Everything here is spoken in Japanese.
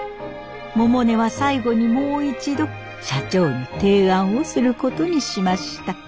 百音は最後にもう一度社長に提案をすることにしました。